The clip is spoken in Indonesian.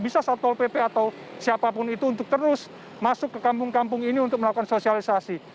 bisa satpol pp atau siapapun itu untuk terus masuk ke kampung kampung ini untuk melakukan sosialisasi